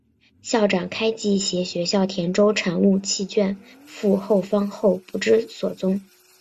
校长开济携学校田洲产物契券赴后方后不知所踪。